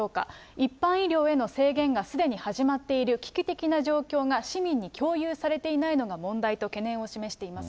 一般医療への制限がすでに始まっている危機的な状況が、市民に共有されていないのが問題と懸念を示しています。